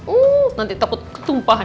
uuu nanti ketumpahan